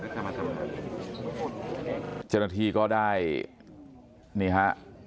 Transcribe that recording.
เจ้าหน้าที่ก็ได้นี่ฮะ